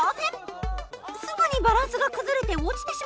すぐにバランスが崩れて落ちてしまいました。